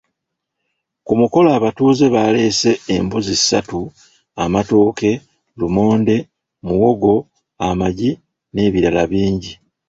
Ku mukolo abatuuze baaleese embuzi ssatu, amatooke, lumonde, muwogo, amagi n’ebirala bingi.